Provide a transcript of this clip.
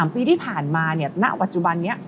ปีที่ผ่านมาณปัจจุบันนี้